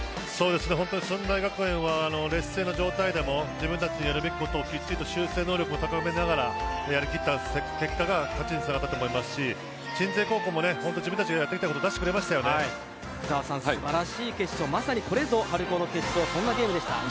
本当に駿台学園は劣勢の状態でも自分たちのやるべきことをしっかりと修正能力を高めながらやりきった結果が勝ちにつながったと思いますし鎮西高校も自分たちでやってきたことを素晴らしい決勝まさにこれぞ春高の決勝そんなゲームでした。